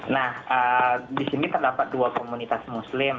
nah di sini terdapat dua komunitas muslim